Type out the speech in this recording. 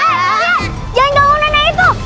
eh jangan ganggu nenek itu